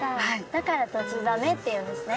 だからドチザメっていうんですね。